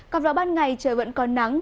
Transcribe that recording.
còn vào ban ngày trời vẫn còn nắng